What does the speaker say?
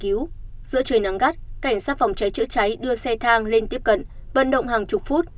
cứu giữa trời nắng gắt cảnh sát phòng cháy chữa cháy đưa xe thang lên tiếp cận vận động hàng chục phút